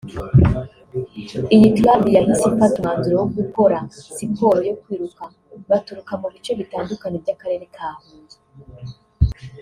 iyi Club yahise ifata umwanzuro wo gukora siporo yo kwiruka baturuka mu bice bitandukanye by’akarere ka Huye